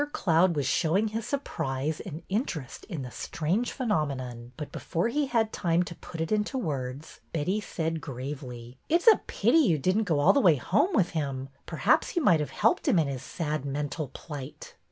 Cloud was showing his surprise and in terest in the strange phenomenon, but before he had time to put it into words Betty said gravely :" It 's a pity you did n't go all the way home with him. Perhaps you might have helped him in his sad mental plight."